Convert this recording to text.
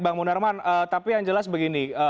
bang munarman tapi yang jelas begini